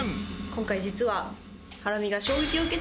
今回実は。